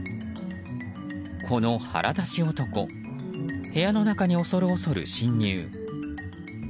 この腹出し男部屋の中に恐る恐る侵入。